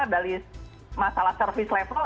dari masalah service level